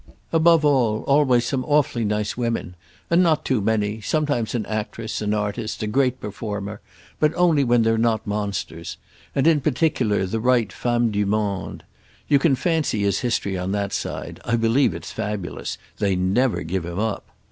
Above all always some awfully nice women—and not too many; sometimes an actress, an artist, a great performer—but only when they're not monsters; and in particular the right femmes du monde. You can fancy his history on that side—I believe it's fabulous: they never give him up.